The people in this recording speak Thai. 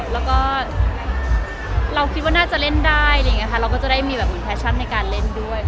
แล้วก็เราคิดว่าน่าจะเล่นได้เราก็จะได้มีภูมิแฮชั่นในการเล่นด้วย